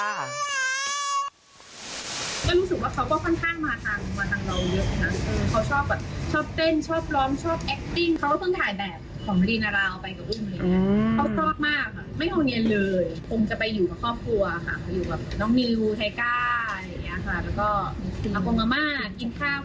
ก็รู้สึกว่าเขาก็ค่อนข้างมาทางเราเยอะนะค่ะ